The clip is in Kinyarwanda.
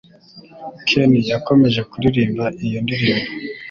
Ken yakomeje kuririmba iyo ndirimbo.